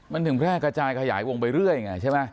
มันถึงแพร่กระจายขยายวงไปเรื่อยไงใช่ไหม